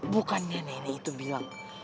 bukannya nenek itu bilang